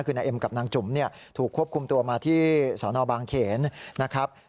คือนายเอ็มกับนางจุ๋มเนี่ยถูกควบคุมตัวมาที่สนบางเขนนะครับ